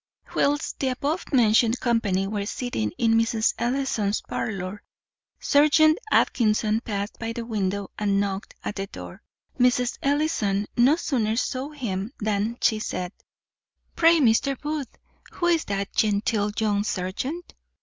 Whilst the above mentioned company were sitting in Mrs. Ellison's parlour, serjeant Atkinson passed by the window and knocked at the door. Mrs. Ellison no sooner saw him than she said, "Pray, Mr. Booth, who is that genteel young serjeant?